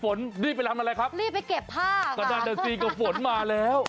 ฝนรีบไปทำอะไรครับรีบไปเก็บผ้าค่ะกระดาษดาซีก็ฝนมาแล้ว